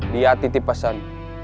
dia titip pesan